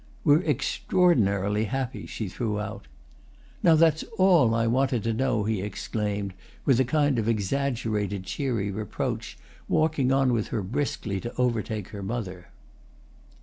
"We're extraordinarily happy," she threw out. "Now that's all I wanted to know!" he exclaimed, with a kind of exaggerated cheery reproach, walking on with her briskly to overtake her mother.